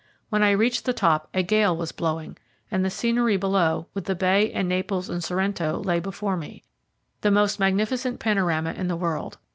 When I reached the top a gale was blowing, and the scenery below, with the Bay and Naples and Sorrento, lay before me, the most magnificent panorama in the world.